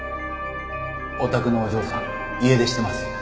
お宅のお嬢さん家出してます？